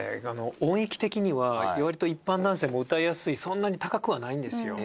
音域的には割と一般男性も歌いやすいそんなに高くはないんですよ